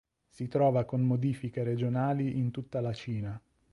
Si trova con modifiche regionali in tutta la Cina.